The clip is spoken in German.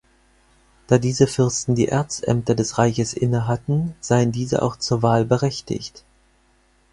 Da diese Fürsten die Erzämter des Reiches innehatten, seien diese auch zur Wahl berechtigt.